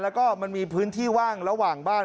แล้วก็มันมีพื้นที่ว่างระหว่างบ้าน